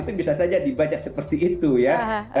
itu bisa saja dibaca seperti itu ya